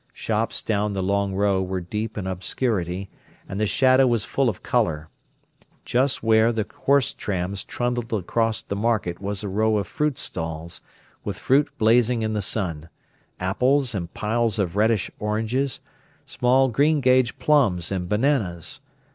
Shops down the Long Row were deep in obscurity, and the shadow was full of colour. Just where the horse trams trundled across the market was a row of fruit stalls, with fruit blazing in the sun—apples and piles of reddish oranges, small green gage plums and bananas.